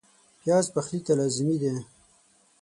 پیاز پخلي ته لازمي دی